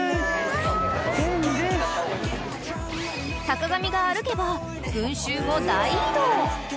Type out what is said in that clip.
［坂上が歩けば群衆も大移動］